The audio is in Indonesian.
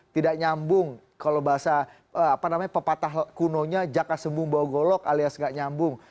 tidak nyambung kalau bahasa pepatah kunonya jaka sembung bawa golok alias nggak nyambung